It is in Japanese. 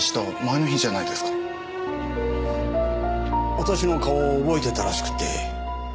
私の顔を覚えてたらしくて。